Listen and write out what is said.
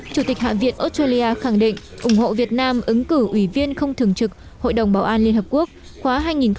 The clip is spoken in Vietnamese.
chủ tịch hạ viện australia khẳng định ủng hộ việt nam ứng cử ủy viên không thường trực hội đồng bảo an liên hợp quốc khóa hai nghìn hai mươi hai nghìn hai mươi một